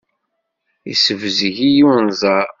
Yessebzeg-iyi unẓar.